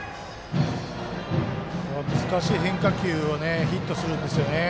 難しい変化球をヒットするんですよね。